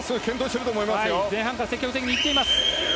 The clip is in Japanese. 前半から積極的にいっています。